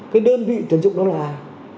cái đơn vị tuyển dụng đó là ai